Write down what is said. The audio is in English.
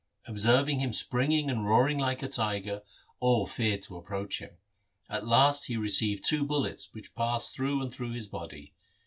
Observing him springing and roaring like a tiger, all feared to approach him. At last he received two bullets which passed through and through his body.